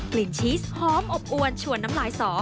ชีสหอมอบอวนชวนน้ำลายสอ